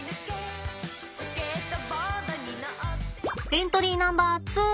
エントリーナンバーツー。